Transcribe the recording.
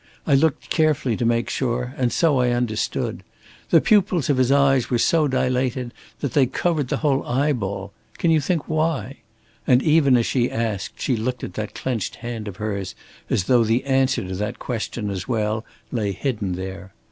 I looked carefully to make sure, and so I understood. The pupils of his eyes were so dilated that they covered the whole eyeball. Can you think why?" and even as she asked, she looked at that clenched hand of hers as though the answer to that question as well lay hidden there.